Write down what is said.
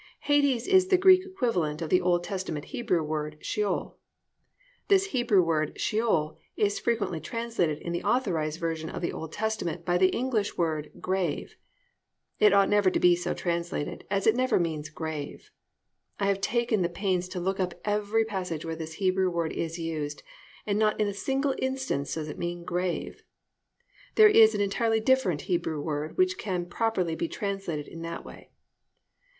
"Hades" is the Greek equivalent of the Old Testament Hebrew word "Sheol." This Hebrew word "Sheol" is frequently translated in the Authorised Version of the Old Testament by the English word "Grave." It ought never to be so translated, as it never means "Grave." I have taken the pains to look up every passage where this Hebrew word is used and in not a single instance does it mean "Grave." There is an entirely different Hebrew word which can properly be translated in that way.